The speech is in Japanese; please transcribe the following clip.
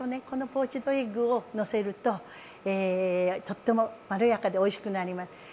このポーチドエッグをのせるととってもまろやかでおいしくなります。